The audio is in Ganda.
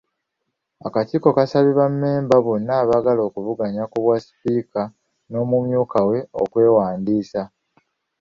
Akakiiko kaasabye bammemba bonna abaagala okuvuganya ku bwa sipiika n’omumyuka we okwewandiisa.